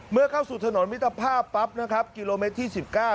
เมื่อเข้าสู่ถนนมิตรภาพปั๊บนะครับกิโลเมตรที่๑๙